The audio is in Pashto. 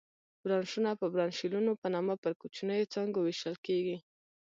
برانشونه په برانشیولونو په نامه پر کوچنیو څانګو وېشل کېږي.